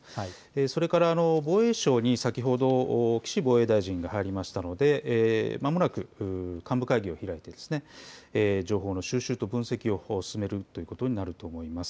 それから防衛省に先ほど岸防衛大臣が入りましたのでまもなく官房会議を開いて情報の収集と分析を進めるということになると思います。